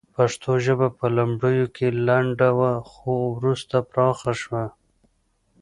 پښتو ژبه په لومړیو کې لنډه وه خو وروسته پراخه شوه